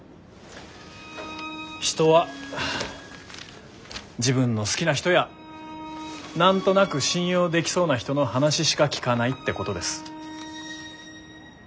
人は自分の好きな人や何となく信用できそうな人の話しか聞かないってことです。